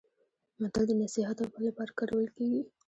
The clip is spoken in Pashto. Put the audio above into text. متل د نصيحت او پند لپاره کارول کیږي